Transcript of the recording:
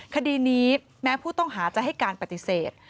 คดีนี้แม้ผู้ต้องหาจะให้การปฏิเสธ